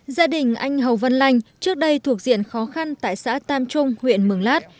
gia đình anh hầu vân lanh trước đây thuộc diện khó khăn tại xã tam trung huyện mường lát